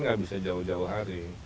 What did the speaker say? nggak bisa jauh jauh hari